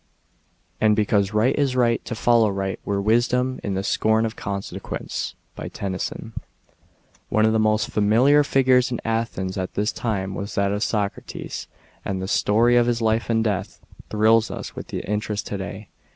" And because right is right, to follow right Were wisdom, in the scorn of consequence." TENNYSON. ONE of the most familiar figuies in Athens at this time was that of Socrates, and the story of his life and death, thrills us with interest to day.